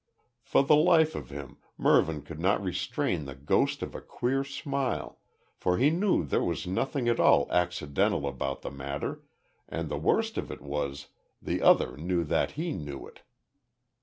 For the life of him Mervyn could not restrain the ghost of a queer smile, for he knew there was nothing at all accidental about the matter, and the worst of it was the other knew that he knew it.